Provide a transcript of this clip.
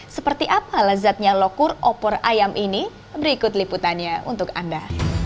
seperti apa lezatnya lokur opor ayam ini berikut liputannya untuk anda